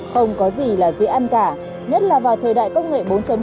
không có gì là dễ ăn cả nhất là vào thời đại công nghệ bốn